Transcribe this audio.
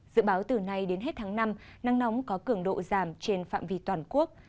dự báo từ nay đến hết tháng năm nắng nóng có cường độ giảm trên phạm vi toàn quốc